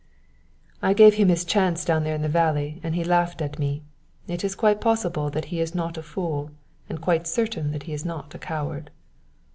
"I gave him his chance down there in the valley and he laughed at me. It is quite possible that he is not a fool; and quite certain that he is not a coward."